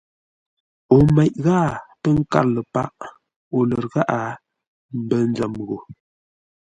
O meʼ ghâa pə̂ nkâr ləpâʼo lər gháʼá mbə́ nzəm gho.